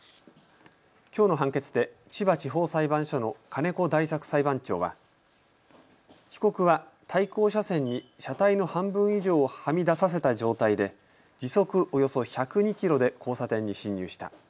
きょうの判決で千葉地方裁判所の金子大作裁判長は被告は対向車線に車体の半分以上をはみ出させた状態で時速およそ１０２キロで交差点に進入した。